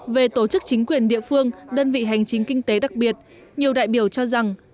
về tổ chức chính quyền địa phương đơn vị hành chính kinh tế đặc biệt nhiều đại biểu cho rằng